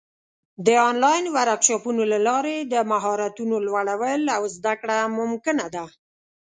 د آنلاین ورکشاپونو له لارې د مهارتونو لوړول او زده کړه ممکنه ده.